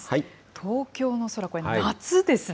東京の空、これ、夏ですね。